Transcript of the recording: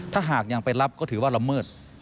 ถ้าหากยังไปรับก็ถือว่าละเมิด